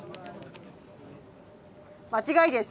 間違いです。